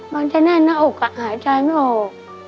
บางทีนั่นน่าออกหาใจไม่ออก